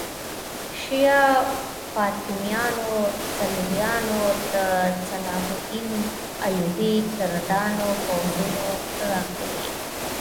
شیعه فاطمیانو، صلیبیانو، د صلاح الدین ایوبي کردانو پوځونه راغلي.